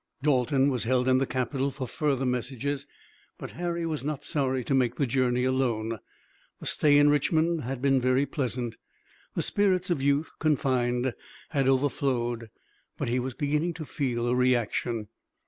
Dalton was held in the capital for further messages, but Harry was not sorry to make the journey alone. The stay in Richmond had been very pleasant. The spirits of youth, confined, had overflowed, but he was beginning to feel a reaction.